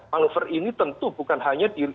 manuver ini tentu bukan hanya di